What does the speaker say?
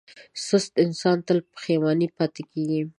سست انسان تل پښېمانه پاتې کېږي.